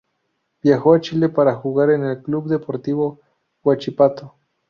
Viajó a Chile para jugar en el Club Deportivo Huachipato.